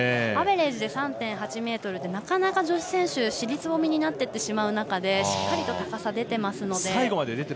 アベレージで３．８ｍでなかなか女子選手、尻すぼみになっていってしまう中でしっかりと高さが出ていますので。